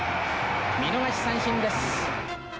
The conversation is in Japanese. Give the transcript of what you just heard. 見逃し三振です。